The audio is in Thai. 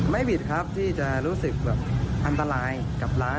ไม่ผิดครับที่จะรู้สึกแบบอันตรายกับร้าน